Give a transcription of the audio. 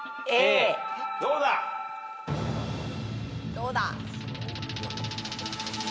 どうだ？